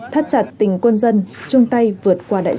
thắt chặt tình quân dân chung tay vượt qua đại dịch